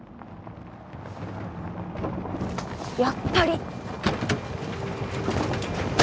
やっぱり！